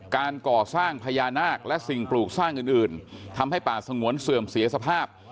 การก่อสร้างพญานาคและสิ่งปลูกสร้างอื่นทำให้ป่าสงวนเสื่อมเสียสภาพ